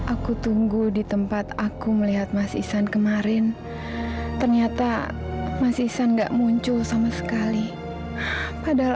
aku tunggu di tempat aku melihat mas ihsan kemarin ternyata mas isan enggak muncul sama sekali padahal